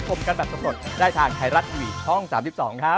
โปรดติดตามตอนต่อไป